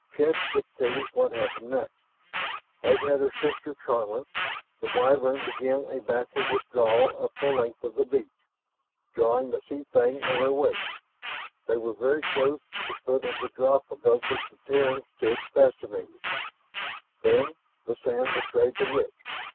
Chance dictated what happened next. As had her sister charmer, the Wyvern began a backward withdrawal up the length of the beach, drawing the sea thing in her wake. They were very close to the foot of the drop above which the Terrans stood, fascinated, when the sand betrayed the witch.